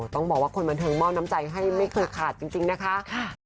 ต้องบอกว่าคนบันเทิงมอบน้ำใจให้ไม่เคยขาดจริงนะคะ